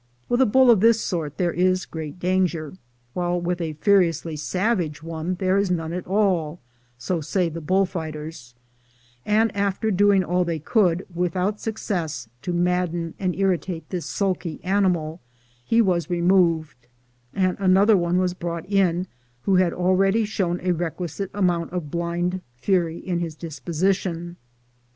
With a bull of this sort there is great danger, while with a furiously savage one there is none at all — so say the bull fighters; and after doing all they could, with out success, to madden and irritate this sulky animal, he was removed, and another one was brought in, who had already shown a requisite amount of blind fury in his disposition.